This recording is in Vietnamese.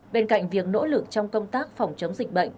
bên cạnh việc nỗ lực trong công tác phòng chống dịch bệnh